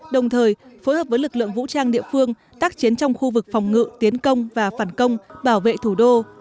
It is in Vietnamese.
đồng thời phối hợp với lực lượng vũ trang địa phương tác chiến trong khu vực phòng ngự tiến công và phản công bảo vệ thủ đô